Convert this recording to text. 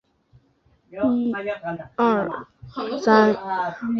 他又表示会继续支持勇武派的路线。